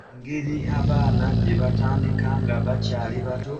Engeri abaana gye batandika nga bakyali bato.